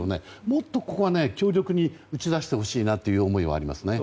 もっとここは強力に打ち出してほしいという思いがありますね。